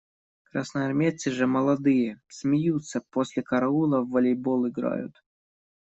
Красноармейцы же молодые – смеются, после караула в волейбол играют.